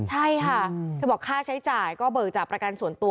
ใช่ค่ะเธอบอกค่าใช้จ่ายก็เบิกจากประกันส่วนตัว